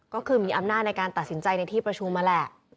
ก็คือมีอำนาจในการตัดสินใจในที่ประชุมนั่นแหละ